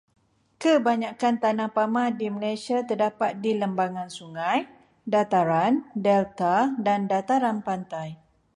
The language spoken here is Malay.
Kebanyakan tanah pamah di Malaysia terdapat di lembangan sungai, dataran, delta dan dataran pantai.